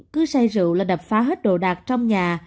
cứ say rượu là đập phá hết đồ đạc trong nhà